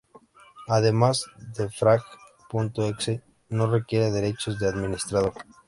Además, Defrag.exe no requiere derechos de administrador.